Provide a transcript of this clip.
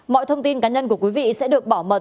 mọi thông tin cá nhân của quý vị sẽ được bảo mật